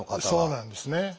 そうなんですね。